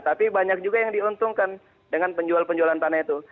tapi banyak juga yang diuntungkan dengan penjual penjualan tanah itu